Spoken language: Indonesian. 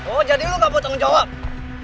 oh jadi lu gak buat tanggung jawab